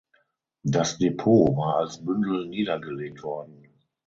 Das Depot war als Bündel niedergelegt worden.